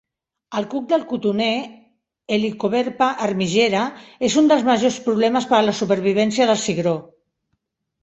El cuc del cotoner "Helicoverpa armigera" és un dels majors problemes per a la supervivència del cigró.